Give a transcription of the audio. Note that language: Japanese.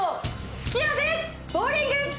吹き矢でボウリング！